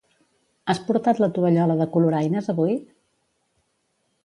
Has portat la tovallola de coloraines avui?